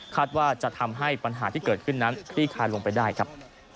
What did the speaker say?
ว่าจะทำให้ปัญหาที่เกิดขึ้นนั้นคลี่คลายลงไปได้ครับ